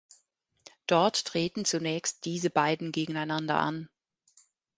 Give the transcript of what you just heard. Dort treten zunächst diese beiden gegeneinander an.